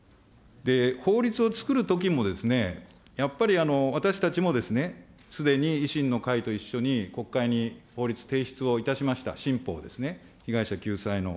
法律を作るときも、やっぱり私たちもですね、すでに維新の会と一緒に国会に法律提出をいたしました、新法をですね、被害者救済の。